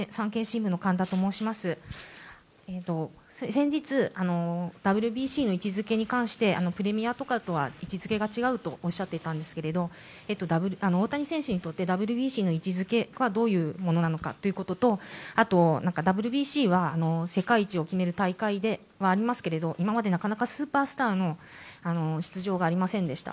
先日、ＷＢＣの位置づけに関してプレミアとかとは位置づけが違うとおっしゃっていたんですが大谷選手にとってＷＢＣの位置づけはどういうものなのかということと、ＷＢＣは世界一を決める大会ではありますけれども、今までなかなかスーパースターの出場がありませんでした。